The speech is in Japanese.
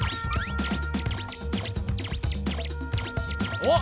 おっ！